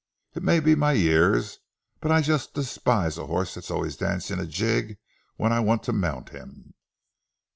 It may be my years, but I just despise a horse that's always dancing a jig when I want to mount him."